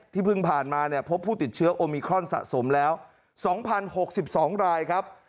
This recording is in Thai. เพิ่งผ่านมาเนี่ยพบผู้ติดเชื้อโอมิครอนสะสมแล้ว๒๐๖๒รายครับ